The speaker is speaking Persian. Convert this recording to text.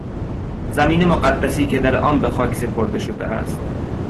زمین مقدسی که در آن به خاک سپرده شده است